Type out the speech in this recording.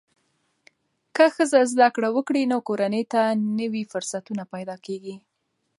که ښځه زده کړه وکړي، نو کورنۍ ته نوې فرصتونه پیدا کېږي.